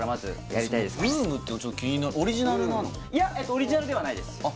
いやオリジナルではないです